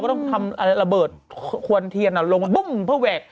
ต้องทำระเบิดควันเทียนลงบึ้มเพื่อแหวก